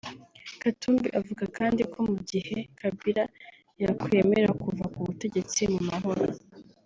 Katumbi avuga kandi ko mu gihe Kabila yakwemera kuva ku butegetsi mu mahoro